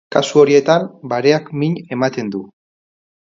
Kasu horietan, bareak min ematen du.